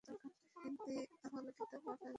কিন্তু আহলে কিতাব ও অন্যদের বর্ণনা এর বিপরীত।